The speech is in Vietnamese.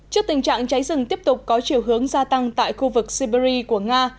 trước tình trạng cháy rừng tiếp tục có chiều hướng gia tăng tại khu vực siberia của nga